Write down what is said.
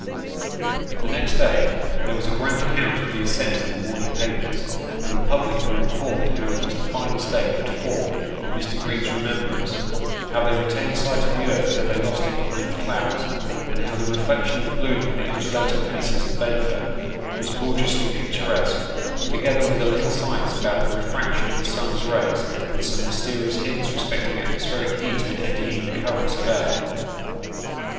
The next day there was a grand account of the ascent in the morn ing papers, and the public were informed how it was the finest day but four in Mr. Green's remembrance ; how they retained sight of the earth till they lost it behind the clouds ^ and how the reflection of the balloon on the undulating masses of vapour was gorgeously picturesque ; together with a little science about the refraction of the sun's rays, and some mysterious hints respecting atmospheric heat and eddying currents of air.